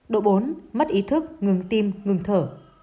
độ bốn mất ý thức ngừng tim ngừng thở